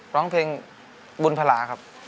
ร้องเพลงบุญพลาครับ